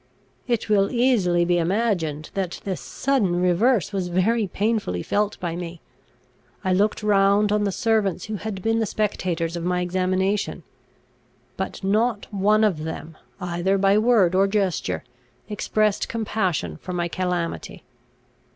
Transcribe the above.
It will easily be imagined that this sudden reverse was very painfully felt by me. I looked round on the servants who had been the spectators of my examination, but not one of them, either by word or gesture, expressed compassion for my calamity.